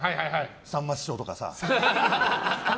さんま師匠とか。